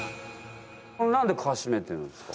何でかしめてるんですか？